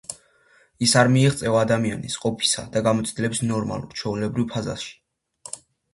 ის არ მიიღწევა ადამიანთა ყოფისა და გამოცდილების ნორმალურ, ჩვეულებრივ ფაზაში.